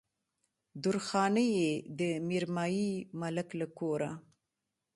درخانۍ يې د ميرمايي ملک له کوره